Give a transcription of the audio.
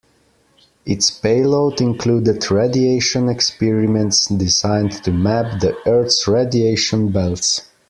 Its payload included radiation experiments designed to map the Earth's radiation belts.